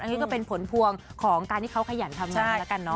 นี่ก็เป็นผลพวงของการที่เขาขยันทำงานแล้วกันเนอ